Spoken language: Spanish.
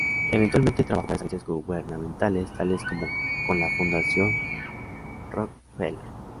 Eventualmente trabajó con varias agencias gubernamentales, tales como con la Fundación Rockefeller.